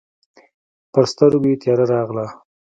پر سترګو یې تياره راغله.